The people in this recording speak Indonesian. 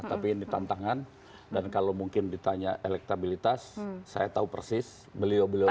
tapi ini tantangan dan kalau mungkin ditanya elektabilitas saya tahu persis beliau beliau